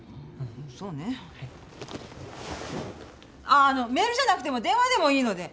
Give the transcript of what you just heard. ああのメールじゃなくても電話でもいいので。